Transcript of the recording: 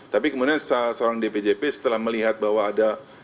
tapi kemudian seorang dpjp setelah melihat bahwa ada